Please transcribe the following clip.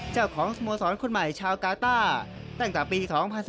เจ้าของสโมสรคนใหม่ชาวกาต้าตั้งแต่ปี๒๐๑๙